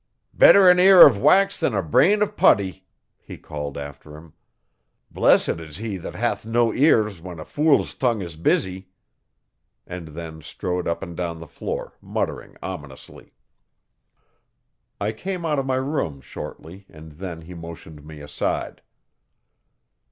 'Better an ear of wax than a brain of putty,' he called after him. 'Blessed is he that hath no ears when a fool's tongue is busy,' and then strode up and down the floor, muttering ominously. I came out of my room shortly, and then he motioned me aside.